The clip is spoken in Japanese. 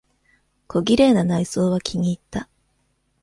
小綺麗な内装は気にいった。